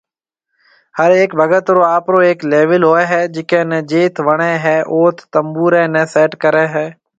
ھر ھيَََڪ ڀگت رو آپرو ھيَََڪ ليول ھوئي ھيَََ جڪي ني جيٿ وڻي ھيَََ اوٿ تنبوري ني سيٽ ڪري ھيَََ